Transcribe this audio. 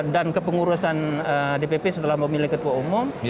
dan kepengurusan dpp setelah memilih ketua umum